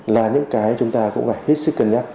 là những cái chúng ta cũng phải hết sức cân nhắc